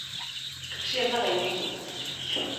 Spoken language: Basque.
Krisia ez da gainditu.